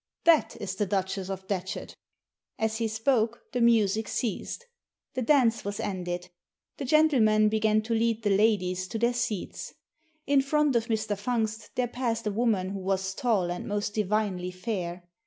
" That is the Duchess of Datchet" As he spoke the music ceased. The dance was ended. The gentlemen began to lead the ladies to their seats. In front of Mr. Fungst there passed a woman who was tall and most divinely fair.